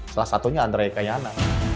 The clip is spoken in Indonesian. salah satunya andre ekayana